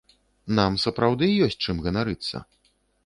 Нам сапраўды ёсць чым ганарыцца?